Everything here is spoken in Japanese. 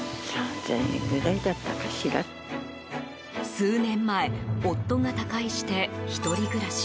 数年前夫が他界して１人暮らし。